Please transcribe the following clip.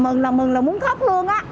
mừng là mừng là muốn khóc luôn á